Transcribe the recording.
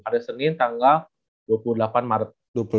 pada senin tanggal dua puluh delapan maret